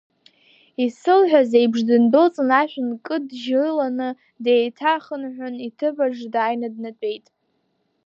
Исылҳәазеиԥш, дындәылҵын ашә нкыджьыланы, деиҭахынҳәын, иҭыԥаҿ дааины днатәеит.